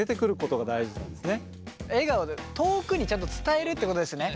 笑顔で遠くにちゃんと伝えるってことですね。